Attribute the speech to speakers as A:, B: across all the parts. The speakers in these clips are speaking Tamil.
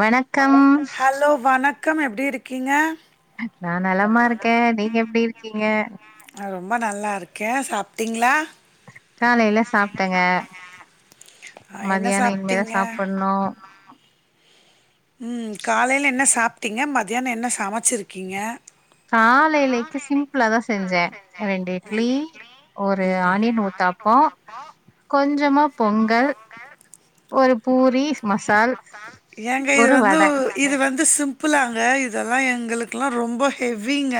A: வணக்கம்
B: ஹலோ வணக்கம் எப்பிடி இருக்கீங்க
A: நா நலமா இருக்கே நீங்க எப்பிடி இருக்கீங்க
B: ஆ ரொம்ப நல்லா இருக்கே சாப்பிடிங்களா
A: காலையில சாப்பிட்டங்க
B: ஆ என்ன
A: மதியானோம் இனிமேதா
B: சாப்ட்டீங்க
A: சாப்பிடணும்
B: ம் காலையில என்ன சாப்பிட்டீங்க மதியானம் என்ன சமைச்சிருக்கீங்க
A: காலையிலைக்கு சிம்பிளா தா செஞ்சேன் ரெண்டு இட்லி ஒரு ஆனியன் ஊத்தாப்பம் கொஞ்சமா பொங்கல் ஒரு பூரி மசால்
B: ஏங்க இது
A: ஒரு
B: வந்து
A: வட
B: இது வந்து சிம்பிளாங்க இதெல்லாம் எங்களுக்கெல்லாம் ரொம்ப ஹெவிங்க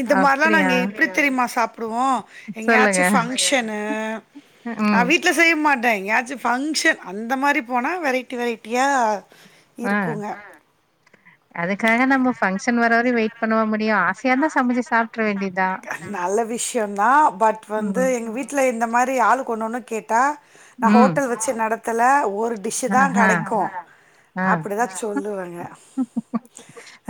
B: இந்த மாதிரிலா
A: அப்டியா
B: நாங்க எப்பிடி தெரியுமா சாப்பிடுவோம் எங்கயாச்சு
A: சொல்லுங்க
B: ஃபங்க்ஷன்னு
A: ம்
B: வீட்ல செய்ய மாட்ட எங்கயாச்சு ஃபங்க்ஷன் அந்த மாதிரி போனா வெரைட்டி வெரைட்டியா
A: ஆ
B: இருக்குங்க
A: அதுக்காக நம்ம ஃபங்க்ஷன் வர வரையும் வெயிட் பண்ணவா முடியும் ஆசையா இருந்தா சமைச்சு சாப்ற வேண்டியதா
B: நல்ல விஷயம் தான் பட் வந்து
A: ம்
B: எங்க வீட்டுல இந்த மாறி ஆளுக்கு ஒன்னு ஒன்னு கே ட்டா நா
A: ம்
B: ஹோட்டல் வச்சு நடத்தல ஒரு டிஸ்சு தா
A: ஆஹா
B: கெடைக்கும்
A: ஆ
B: அப்படிதா சொல்லுவங்க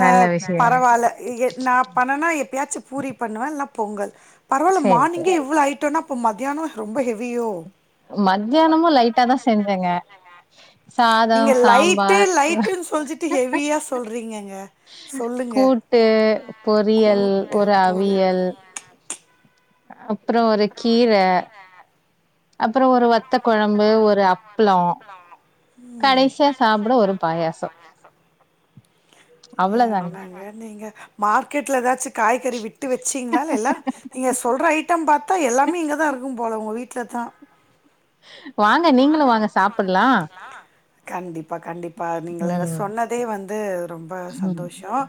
B: ஆ
A: நல்ல விஷயங்க
B: பரவாயில்ல ஏ நா பண்ணனா எப்பயாச்சு பூரி பண்ணுவ இல்லனா பொங்கல் பரவாயில்ல
A: சேரி சேரி
B: மார்னிங்கே இவ்வளவு ஐட்டனா இப்போ மத்தியானம் ரொம்ப ஹெவியோ
A: மதியானமும் லைட்டா தா செஞ்சங்க
B: நீங்க லைட்டு லைட்டுன் சொல்லிட்டு ஹெவியா சொல்றீங்கங்க சொல்லுங்க
A: கூட்டு பொரியல்
B: கூட்டு
A: ஒரு
B: பொரி
A: அவியல் அப்புறம் ஒரு கீர அப்புறம் ஒரு வத்தகொழம்பு ஒரு அப்பளம்
B: ம்
A: கடைசியா சாப்பிட ஒரு பாயாசம் அவ்வளவுதாங்க
B: என்னங்க நீங்க மார்க்கெட்ல எதாச்சு காய்கறி விட்டு வெச்சிங்களா எல்லா நீங்க சொல்ற ஐட்டம் பாத்தா எல்லாமே இங்கதா இருக்கும் போல உங்க வீட்ல தா
A: வாங்க நீங்களு வாங்க சாப்படலா
B: கண்டிப்பா கண்டிப்பா நீங்க
A: ம்
B: சொன்னதே வந்து ரொ ம்ப
A: ம்
B: சந்தோசம்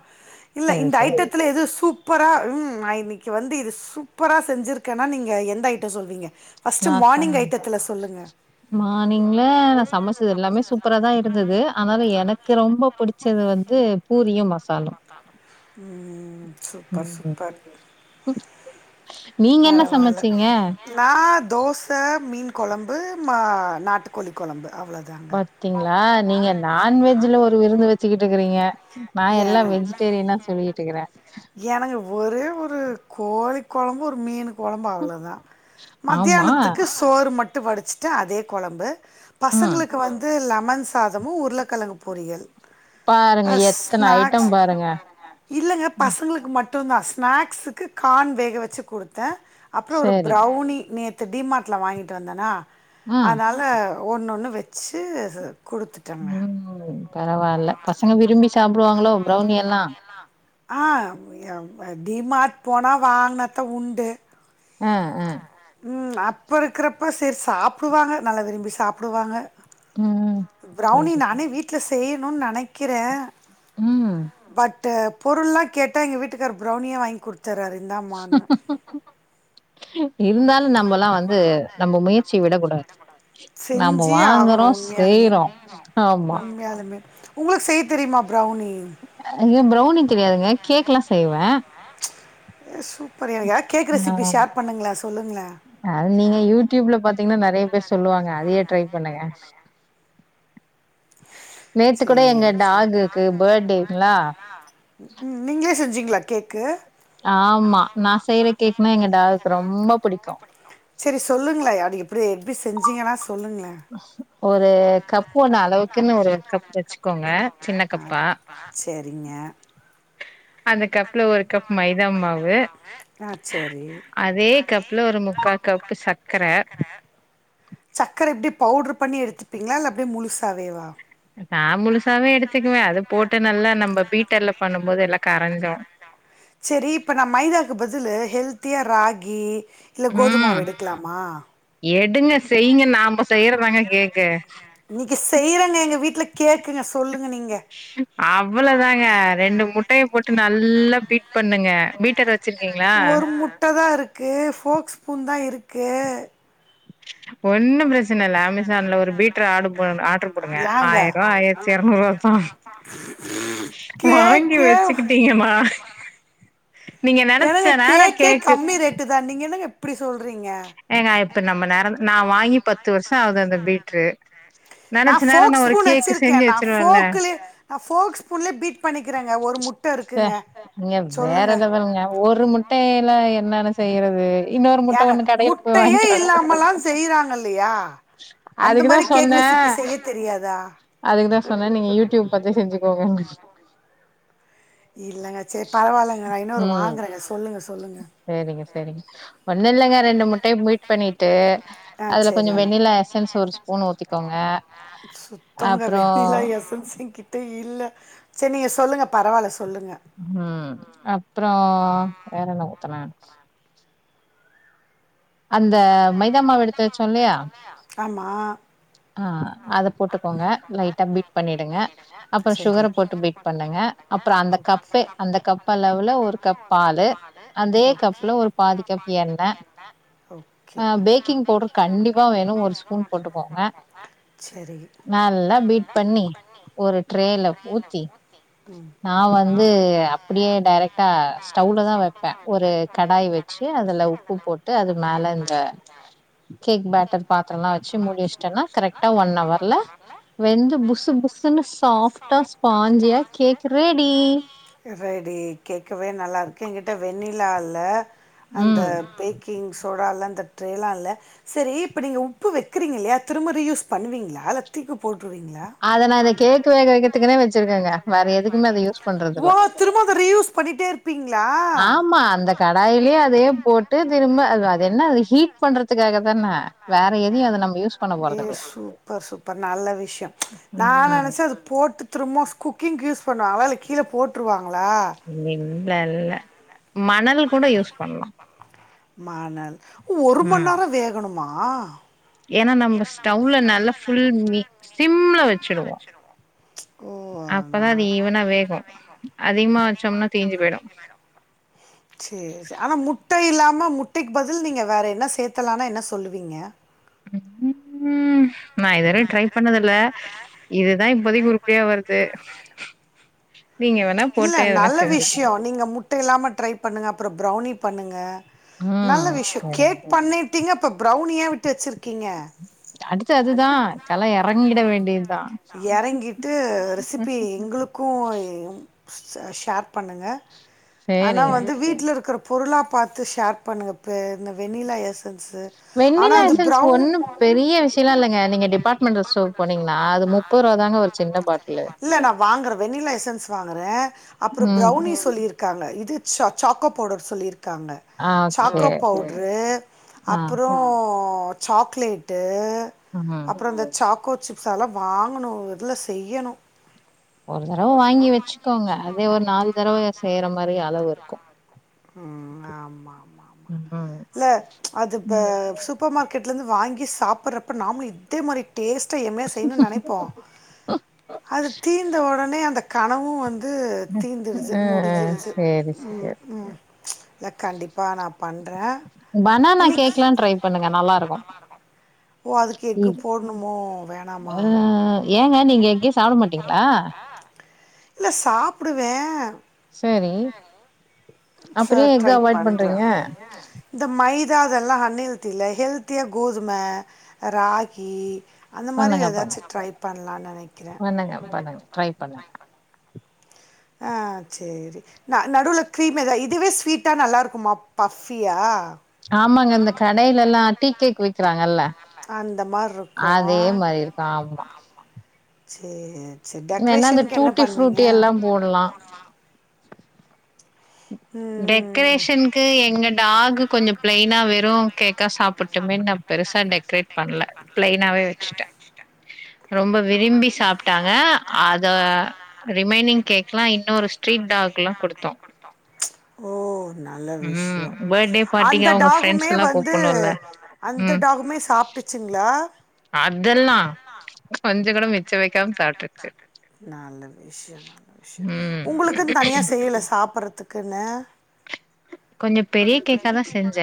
B: இல்ல
A: சரி
B: இந்த
A: சரி
B: ஐட்டத்துல எது சூப்பரா ம் நா இன்னைக்கு வந்து இது சூப்பரா செஞ்சிருக்கேன்னா நீங்க எந்த ஐட்டம் சொல்வீங்க ஃபர்ஸ்ட் மார்னிங் ஐட்டத்துல சொல்லுங்க
A: [unintelligible] மானிங்ல நா சமச்சது எல்லாமே சூப்பரா தா இருந்தது ஆனாலு எனக்கு ரொம்ப புடி ச்சது வந்து பூரியும் மசாலு
B: ம் சூப்பர் சூப்பர்
A: நீங்க என்ன சமச்சீங்க
B: நா தோச மீன் கொழம்பு மா நாட்டுக்கோழி கொழம்பு அவ்ளோதா
A: பாத்தீங்ளா நீங்க நான்வெஜ்ல ஒரு விருந்து வெச்சுகிட்டு இருக்றீங்க நா எல்லா
B: எனக்கு
A: வெஜிடேரியனா சொல்லிட்டு இருக்குற
B: எனக்கு ஒரே ஒரு கோழி கொழம்பு ஒரு மீனு கொழம்பு அவ்ளோதா
A: ஆமா
B: மத்தியானத்துக்கு சோறு மட்டும் வடிச்சுட்டு அதே கொழம்பு
A: ம்
B: பசங்ளுக்கு வந்து லெமன் சாதமும் உருளக்கெழங்கு பொரியல்
A: பாருங்க எத்த
B: நாக்ஸ் இல்லங்க
A: ம்,
B: பசங்களுக்கு மட்டுந்தா ஸ்நாக்ஸ்க்கு கான் வேக வச்சு குடுத்தே அப்றோ ஒரு
A: சரி
B: ப்ரௌனி நேத்து டிமார்ட்ல வாங்கிட்டு வந்தனா
A: ஆ
B: அதால [inaudible] ஒன்னு ஒன்னு வச்சு குடுத்து
A: ம் பரவால்ல பசங்க விரும்பி சாப்டுவாங்ளோ ப்ரௌனி எல்லா
B: ஆ டிமார்ட் போனா வாங்னாதா உண்டு
A: ஆ ஆ
B: ம் அப்ப இருக்குறப்ப சேரி சாப்டுவாங்க நல்லா விரும்பி சாப்டுவாங்க
A: ம் சரி
B: ப்ரௌனி
A: சரி.
B: நானே வீட்ல செய்யணுனு நெனக்கிறே
A: ம்
B: பட்டு பொருள்லா கேட்டா எங்க வீட்டுக்கார் ப்ரௌனியே வாங்கி குடுத்தறாரு இந்தாம்மானு
A: இருந்தாலு நம்ப நாம
B: செஞ்சே ஆகணு
A: வாங்கறோ
B: உண்மையாலுமே
A: செய்றோ ஆமா
B: உண்மையாலுமே உங்ளுக்கு செய்ய தெரியுமா ப்ரௌனி
A: அ ப்ரௌனி தெரியாதுங்க கேக்லா செய்வே
B: சூப்பர் எனக்கு எதாது கேக் ரெசிபி
A: ஆ
B: ஷேர் பண்ணுங்களே சொல்லுங்ளே
A: அது நீங்க யூடியூப்ல பாத்தீங்கன்னா நெறய பேர் சொல்லுவாங்க அதயே ட்ரை பண்ணுங்க நேத்து கூட எங்க
B: சேரி சே
A: டாகுக்கு பர்த்டேங்களா
B: நீங்களே செஞ்சிங்களா கேக்கு
A: ஆமா நா செய்ற கேக்குனா எங்க டாகுக்கு ரொம்ப புடிக்கு
B: சேரி சொல்லுங்ளே அடி எப்டி எப்டி செஞ்சீங்கனா சொல்லுங்களே
A: ஒரு கப் ஒன்னு அளவுக்குன்னு ஒரு கப் வச்சுக்கோங்க சின்ன கப்பா
B: சரிங்க
A: அந்த கப்ல ஒரு கப் மைதா மாவு
B: ஆ சரி
A: அதே கப்ல ஒரு முக்கா கப் சக்ர
B: சக்கர எப்டி பவுடர் பண்ணி எடுத்துப்பீங்களா இல்ல அப்டியே முழுசாவேவா
A: நா முழுசாவே எடுத்துக்குவே அது போட்டு நல்லா நம்ப பீட்டர்ல பண்ணும்போது எல்லா கரஞ்சுரு
B: சேரி இப்ப நா மைதாக்கு பதிலு ஹெல்த்தியா ராகி இல்ல
A: ம்
B: கோதுமாவு எடுக்கலாமா
A: எடுங்க செய்ங்க நாம்ப செய்றதாங்க கேக்கு
B: இன்னைக்கு செய்றேங்க எங்க வீட்ல கேக்குங்க சொல்லுங்க நீங்க
A: அவ்ளோ தாங்க ரெண்டு முட்டைய போட்டு நல்லா பீட் பண்ணுங்க
B: நீங்க
A: பீட்டர் வ
B: ஒரு முட்ட தா இருக்கு ஃபோக் ஸ்பூன் தா இருக்கு
A: ஒன்னு பிரச்சன இல்ல அமேசான்ல ஒரு பீட்டர ஆடு போடுங்க ஆர்டரு போடுங்க
B: ஆர்டர் ஏங்க பண்ணியிருந்தேன்.
A: ஆயர்வா
B: ஆயிரம்
A: ஆயிரத்தி
B: ரூபாய்
A: இரநூறுவா தா
B: ஆயிரம் ரூபாய்.
A: வாங்கி
B: கேக்கே
A: வெச்சுக்கிட்டீங்கன்னா
B: என்னங்க
A: நேரம்
B: கேக்கே
A: கேக்கு
B: கம்மி ரேட்டு தா நீங்க என்னங்க இப்டி சொல்றீங்க
A: ஏங்க இப்ப நம்ம நேர நா வாங்கி பத்து வருஷோ ஆகுது அந்த பீட்ரு
B: நான் ஃபோக் ஸ்பூன் வெச்சிருக்கே
A: செஞ்சு
B: நா
A: வச்சுருவேன்ல.
B: ஃபோக்லயே நா ஃபோக் ஸ்பூன்லையே பீட் பண்ணிக்கறேங்க ஒரு முட் ட்ட இருக்குங்க
A: நீங்க வேற
B: சொல்லுங்க
A: லெவலுங்க ஒரு முட்டைல என்னான்னு செய்யறது இன்னொரு முட்ட ஒண்ணு கடைல
B: ட்டையே இல்லாமல்லா செய்றாங்க இல்லையா அந்த
A: அதுக்கு
B: மாறி
A: தான்
B: கேக் ரெசிபி செய்ய தெரியாதா
A: அதுக்கு தா சொன்னே நீங்க யூடுயூப் பா த்தே செஞ்சுக்கோங்கனு
B: இல்லைங்க சேரி பரவால்லங்க நா இன்னொரு வாங்குறேங்க சொல்லுங்க சொல்லுங்க
A: செரிங்க செரிங் ஒண்ணு இல்லங்க ரெண்டு முட் டைய பீட் பண்ணிட்டு
B: ஆ
A: அதுல கொஞ்சோம்
B: சேரிங்க
A: வெண்ணிலா எசன்ஸ் ஒரு ஸ்பூன் ஊத்திக்கோங்க அப்றோம்
B: எசன்ஸ்க்கு [unintelligible] டே இல்ல சரி நீங்க சொல்லுங்க பரவால்ல சொல்லுங்க
A: ம் அப்புறோம் வேற என்ன ஊத்துன அந்த மைதாமாவ் எடுத்து வெச்சோ இல்லையா
B: ஆமா
A: ஆ அத போட்டுக்கோங்க லைட்டா பீட் பண்ணிடுங்க அப்றோம்
B: சரி
A: சுகர போட்டு பீட் பண்ணுங்க அப்புறோம் அந்த கப்பே அந்த கப் அளவுல ஒரு கப் பாலு அதே
B: ஓ
A: கப்ல ஒரு பாதிக் கப்பு எண்ணெய்
B: ஓகே
A: ஆ பேக்கிங் பவுடர் கண்டிப்பா வேணு ஒரு ஸ்பூன் போட்டுகோங்க
B: செரி
A: நல்லா பீட் பண்ணி ஒரு ட்ரேல ஊத்தி
B: ம்
A: நா வந்து அப்டியே டரக்ட்டா ஸ்டவ்ல தா வெப்பன் ஒரு கடாய் வெய் ச்சு அதுல உப்பு போட்டு அது மேல இந்த கேக் பேட்டர் பாத்தர எல்லா வெச்சு மூடி வெச்சட்டோன்னா கரெக்ட்டா ஒன் அவ
B: ஒன் அவர்ல
A: வெந்து புஸ்சு புஸ்சுன்னு சாஃப்ட்டா ஸ்பாஞ்சியா கேக் ரெடி
B: ரெடி கேக்கவே நல்லாயிருக்கு என்கிட்ட வெண்ணிலா இல்ல அந்த
A: ம்
B: பேக்கிங்ஸ் சோடலா அந்த ட்ரேலா இல்ல செரி இப்ப நீங்க உப்பு வெக்கிறீங்க இல்லையா திரும்ப ரீ யூஸ் பண்ணுவீங்ளா தீக்கி போட்ருவீங்களா
A: அத நா இந்த கேக் வேக வைக்கிறதுக்குனே வச்சிருக்கேங்க வேற எதுக்குமே அத யூஸ் பண்றது
B: ஓ
A: இல்ல
B: திரும்போ அது ரீயூஸ் பண்ணிட்டே இருப்பீங்களா
A: ட்டு திரும்ப அது அது என்ன அது ஹீட் பண்றதுக்காக தான வேற எதையு அத நம்ப யூஸ் பண்ண
B: ஏ கண்டிப்பா
A: போறதில்லயே
B: பண்ணுவேங்க. சூப்பர் சூப்பர் நல்ல விஷ்யோ நா
A: ம்
B: நெனச்சே அது போட்டு திரும்மோ குக்கிங்கு யூஸ் பண்ணுவாங்களா இல்ல கீழ போட்டுருவாங்களா
A: இல்ல இல்ல இல்ல மணல் கூட யூஸ் பண்லாம்
B: மணல் ஒரு மண்
A: ம்
B: நேரம் வேகணுமா
A: ஏன்னா நம்ப ஸ்டவ்ல நல்ல ஃபுல் மி சிம்ல வெச்சிடுவோ
B: வெச்சிருவோம்
A: அப்ப தான் அது ஈவனா வேகும் அதிகமா வெச்சோம்னா தீஞ்சு போய்டும்
B: செரி செரி ஆனா முட்ட இல்லாம முட்டைக்கு பதில் நீங்க வேறு என்ன சேத்தலனா என்ன சொல்லுவீங்க
A: ம் ம் நான் இதுவரையும் ட்ரை பண்ணது இல்ல இதுதான் இப்போதைக்கு உறுப்பிடியா வருது நீங்க வன்
B: இல்ல நல்ல விஷ்யோம் நீங்க முட்ட இல்லாம ட்ரை பண்ணுங்க அப்றோம் ப்ரௌனி பண்ணுங்க நல்ல
A: ம்
B: விஷ்யோம்
A: சரிங்க
B: கேக் பண்ணிட்டீங்க இப்ப ப்ரௌனியேன் விட்டு வச்சிருக்கீங்க
A: அடுத்து அதுதா கல எறங்கிட வேண்டியதுதா
B: எறங்கிட்டு
A: ம்
B: ரெசிபி எங்களுக் க்கும் ஷ்யேர் பண்ணுங்க ஆனா
A: சேரிங்க
B: வந்து வீட்ல் இருக்குற பொருளா பாத்து ஷ்யேர் பண்ணுங்கப்ப இந்த வெண்ணிலா எஸ் எஸ்ஸன்ஸ்சு ஆனா அது ப்ரௌ
A: அப்டிலா இல்லங்க நீங்க டிபார்ட்மெண்ட்டல் ஸ்டோர் போனீங்ன்னா அது முப்போதுரூபா தாங்க ஒரு சின்ன பாட்லு
B: இல்ல நான் வாங்குறன் வென்னிலா எஸ்ஸன்ஸ் வாங்குறன் அப்றோம்
A: ம்.
B: ப்ரௌனி சொல்லியிருக் இருக்காங்க இது சாக் சாக்கோ பவுடர் சொல்லி இருக்காங்க
A: ஆ ஓகே.
B: சாக்கோ பவுட்ரு
A: ஆ,
B: அப்புறோம் சாக் சாக்லேட்டு
A: ம்
B: அப்புற இந்த சாக்கோ சிப்ஸ் அதெல்லாவாங்கணு இல்ல செய்யணு
A: ஒரு தடவ வாங்கி வச்சுக்கோங்க அதே ஒரு நாலு தடவை செய்யிற மாரி அளவு இருக்கும்.
B: ஆமா
A: ம்.
B: இல்ல அதுப்ப
A: ம்.
B: சுப் சூப்ப மார்க்கெட்லருந்து வாங்கி சாப்பறப்ப நாம்மளு அதே மாரி டேஸ்டா எம்மியா செய்யணு நெனைப்போ அது தீ தீந்த ஒடனே அந்த கனவு வந்து தீந்துடுது
A: அ, அ
B: முடிஞ்சிருது
A: சரி,
B: ம்
A: சரி.
B: ம் இல்ல கண்டிப்பா நா பண்றே
A: பனானா
B: இன்னைக்கு
A: கேக்லா ட்ரை பண்ணுங்க நல்லா இருக்கு
B: ஓ அதுக்கு எக்கு போடணுமோ வேணாமா
A: அ ஏங்க நீங்க எங்கயு சாப்ட மாட்டீங்ளா
B: இல்ல சாப்டுவே
A: சரி
B: ச
A: அப்புறம் ஏன் எக்க
B: ட்ரை
A: அவாய்ட்
B: பண்றே
A: பண்றீங்க?
B: இந்த மைதா அதெல்லா அன்ஹெல்தில்ல ஹெல்த்தியா கோதும ராகி அந்த மாரி
A: பண்ணுங்க, பண்ணுங்க.
B: ஏதாச்சு ட்ரை பண்லானு நெனைக்கிற
A: பண்ணுங்க, பண்ணுங்க. ட்ரை பண்ணு
B: ஆ சேரி ந நடுவுல கிரீம் ஏதா இதுவே ஸ்வீட்டா நல்லா இருக்குமா பஃப்பியா
A: ஆமாங்க இந்த கடையில எல்லா டீ கேக் விக்கிறாங்கல்ல
B: அந்த மாதிரி
A: அதே மாரி இருக் ஆமா
B: சேரி சேரி டெக்கரேஷனுக்கு என்ன பண்வீங்க
A: போட்லா
B: ஆமா
A: டெக்கரேஷனுக்கு எங்க டாக்கு கொஞ்ச பிளைனா வெறு கேக்கா சாப்புட்டுமே நா பாத் பெருசா டெக்ரேட் பண்ல பிளைனாவே வச்சுட்டே ரொம்ப விரும்பி சாப்ட்டாங்க அத ரிமைனிங் கேக் எல்லா இன்னொரு ஸ்ரிட் டாகு எல்லா கொடுத்தோ
B: ஓ நல்ல
A: ம்
B: விஷயோ
A: பர்த்டே பார்ட்டிக்கு
B: அந்த
A: அவங்க ஃப்ரெண்ட்ஸ்
B: டாகுமே
A: எல்லா
B: வந்து
A: கூப்புணுல்ல
B: அந்த
A: ம்
B: டாகுமே சாப்ட்டுச்சுங்ளா
A: அதெல்லா கொஞ்ச கூட மிச்ச வைக்காம சாப்ட்ருச்சு
B: நல்ல விஷய நல்ல விஷய
A: ம்
B: உங்களுக்குன் தனியா செய்யல சாப்பறதுக்குன்னு
A: கொஞ்ச பெரிய கேக்கா தா செஞ்ச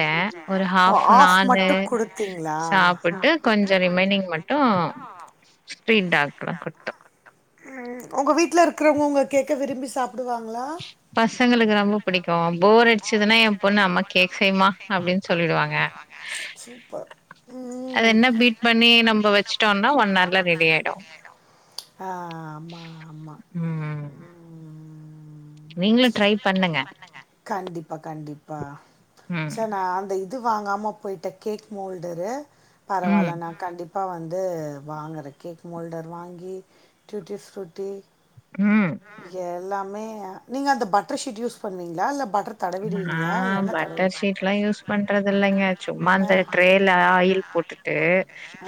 A: ஒரு
B: ஓ
A: ஹாஃப்
B: ஆஃப்
A: நாளு
B: மட்டும் கொடுத்தீங்களா
A: சாப்புட்டு கொஞ்ச கொஞ்ச ரிமைனிங் மட்டு ஸ்ரிட் டாகுக்குலா குடுத்தோ
B: ம் உங்க வீட்ல இருக்கறவங்க உங்க கேக்க விரும்பி சாப்டுவாங்களா பசங்களுக்கு ரொம்ப பிடிக்கு போர் அடிச்சதுன்னா ஏ பொண்ணு அம்மா கேக் செய்யுமா அப்டின் சொல்லிடுவாங்க சூப்பர்
A: அது
B: ம்
A: என்ன பீட் பண்ணி நம்ப வச்சுட்டோனா ஒன் அர்ல ரெடி ஆயி
B: ரெடி ஆயிடு ஆ ஆமா ஆமா ம்
A: நீங்களு ட்ரை பண்ணுங்க
B: கண்டிப்பா கண்டிப்பா
A: ம்
B: ச ந அந்த இது இது வாங்காம போயிட்ட கேக் மோல்டரு
A: ம்
B: பரவால்ல நா கண்டிப் ப்பா வந்து வாங்குற கேக் மோல்டர் வாங்கி டியூட்டி ஃப்ருட்டி
A: ம்
B: எல்லாமே நீங்க அந்த பட்டர் ஷீட் யூஸ் பண்ணுவீங்ளா இல்ல பட்டர்
A: நா
B: தடவிடுவீங்களா எண்ணெ தடவி
A: பட்டர் ஷீட்லா யூஸ் பண்றது இல்லைங்க சும்மா அந்த
B: ஆ
A: ட்ரேல ஆயில் போட்டு ட்டு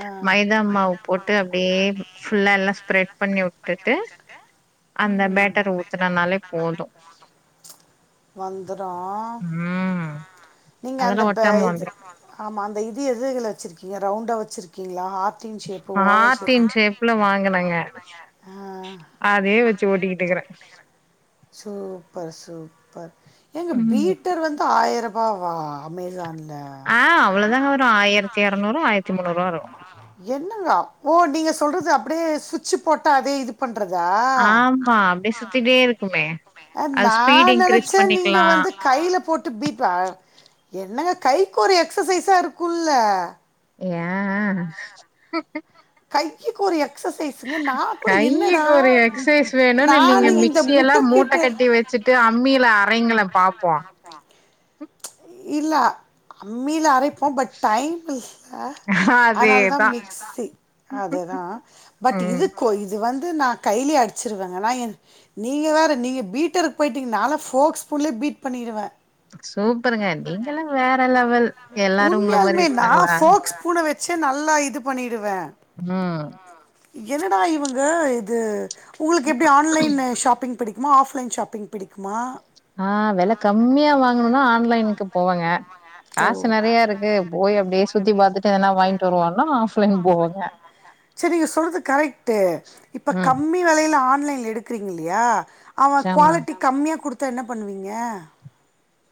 B: ஆ
A: மைதா மாவு போட்டு அப்டியே ஃபுல்லா எல்லா ஸ்ப்ரெட் பண்ணி வுட்டுட்டு அந்த
B: ம்
A: பேட்டர ஊத்துனனாலே போது
B: வந்துரு
A: ம்
B: நீங்க அந்த
A: அதெல்லாம்
B: ப
A: ஒட்டாம
B: இது
A: வந்துரும்.
B: ஆமா அந்த இது எதுல வச்சிருக்கீங்க ரவுண்டா வச்சிருக் கீங்ளா ஹார்ட்டின் ஷேஃப்பு ஓவல் ஷேஃப்பு
A: ஹார்ட்டின் ஷேப்ல வாங்குனங்க
B: ஆ
A: அதே வச்சு ஓட்டிகிட்டுக்கறே
B: சூப்பர் சூப்பர் ஏங்க
A: ம்
B: பீட்டர் வந்து ஆயிர வாவா அமேசான்ல
A: ஆ அவ்ளோதாங்க வரு ஆயிரத்தி எரநூறு ஆயிரத்தி முன்னூறுவா வரு
B: என்னங்கா ஓ நீங்க சொல்றது அப்டியே சுவிட்சு போட்டா அதே இது பண்றதா
A: ஆமா அப்டியே சுத்திட்டே இருக்குமே
B: அ
A: அது
B: நா
A: ஸ்பீடு இன்க்ரீஸ்
B: நெனச்சே நீங்க
A: பண்ணிக்கலா
B: வந்து கைல போட்டு பீட் அ என்னங்க கைக்கு ஒரு எக்ஸசைஸா இருக்கூல
A: ஏ
B: கை க்கு ஒரு எக்சசைஸ்ங்க நா கூட என்னடா
A: கைக்கு ஒரு எக்சைஸ் வேணுன்னு
B: நானு இந்த முட்ட பீட்டர்
A: ச்சுட்டு அம்மில அரைங்கலே பாப்போ
B: இல்ல அம்மில அரைப் ப பட் டைம் இல்ல அதனாலதா
A: அதேதா
B: மிக்ஸி அதேதா பட்
A: ம்
B: இதுக் கொ இது வந்து நா கைலே அடிச்சிருவேங்க நா என் நீங்க வேற நீங்க பீட்டருக்கு போய்டிட்டீங்க நாலா ஃபோக் ஸ்பூன்லே பீட் பண்ணிருவே
A: சூப்பருங்க நீங்கல்லா வேற லெவல் எல்லாரு உங்கள மாரி இருப்பாங்களா
B: ஸ்பூன வச்சு நல்லா இது பண்ணிடுவே
A: ம்
B: என்னடா இவங்க இது உங்களுக் எப்டி ஆன்லைன் ஷாப்பிங் பிடிக் குமா ஆஃப்லைன் ஷாப்பிங் பிடிக்குமா
A: ஆ வெல கம்மியா வாங்கணுனா ஆன்லைனுக்கு போவங்க
B: ஓ
A: காசு நெறையா இருக்கு போய் அப்டியே சுத்தி பாத்துட்டு எதனா வாங்கிட்டு வருவோன்னா ஆஃப்லைன் போவேங்க
B: சரி நீங் சொல்றது கரெக்ட் இப்ப
A: ம்
B: கம்மியா வெலைல ஆன்லைன்ல எடுக்குறீங்க இல்லையா அவ
A: ஜாமா
B: குவாலிட்டி கம்மியா குடுத்தா என்ன பண்ணுவீங்க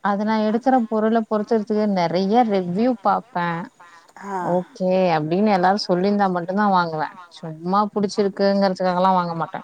A: அது நா எடுக்குற பொருள பொறுத்துருக்கு நெறைய ரிவ்யூ பாப்பே
B: ஆ
A: ஓ கே அப்டின்னு எல்லாரு சொல்லியிருந்தா மட்டுந்தா வாங்குவே சும்மா புடிச்சிருக்குங்றதுக்காகலா வாங்க மாட்டே